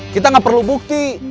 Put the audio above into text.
kita gak perlu bukti